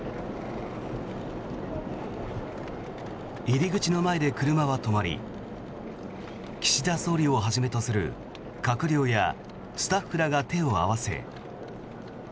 入り口の前で車は止まり岸田総理をはじめとする閣僚やスタッフらが手を合わせ。